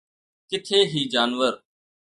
ڪٿي هي جانور